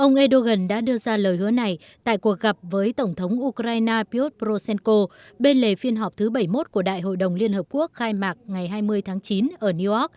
ông erdogan đã đưa ra lời hứa này tại cuộc gặp với tổng thống ukraine piot proshenko bên lề phiên họp thứ bảy mươi một của đại hội đồng liên hợp quốc khai mạc ngày hai mươi tháng chín ở new york